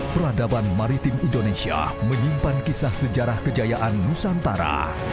peradaban maritim indonesia menyimpan kisah sejarah kejayaan nusantara